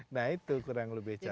nah itu kurang lebih